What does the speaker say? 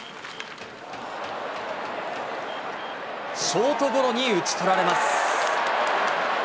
ショートゴロに打ち取られます。